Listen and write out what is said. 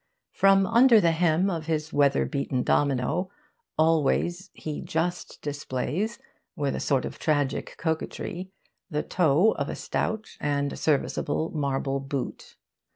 From under the hem of his weather beaten domino, always, he just displays, with a sort of tragic coquetry, the toe of a stout and serviceable marble boot.